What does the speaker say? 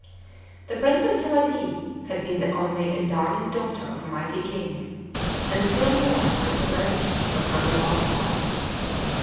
The Princess Thawadee had been the only and darling daughter of a mighty king, and still mourned her separation from her beloved sire.